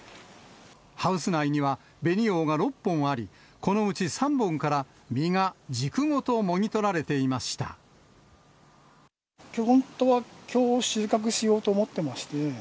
ハウス内には紅王が６本あり、このうち３本から、きょう、本当は、きょう収穫しようと思ってまして。